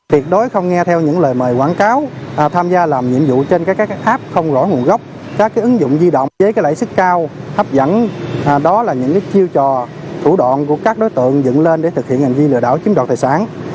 khi chị không còn khả năng nạp tiền để làm nhiệm vụ thì đối tượng cũng lặng mất tâm